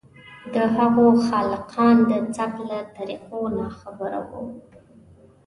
د هغو خالقان د ثبت له طریقو ناخبره وو.